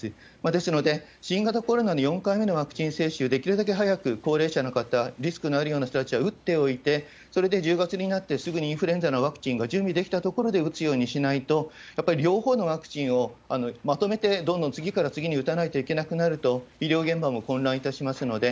ですので、新型コロナの４回目のワクチン接種、できるだけ早く高齢者の方、リスクのあるような人たちは打っておいて、それで１０月になって、すぐにインフルエンザのワクチンが準備できたところで打つようにしないと、やっぱり両方のワクチンをまとめてどんどん次から次に打たないといけなくなると、医療現場も混乱いたしますので、